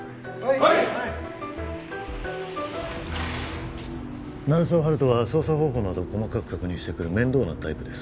はい鳴沢温人は捜査方法などを細かく確認してくる面倒なタイプです